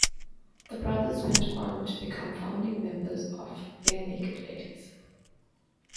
The brothers went on to become founding members of Barenaked Ladies.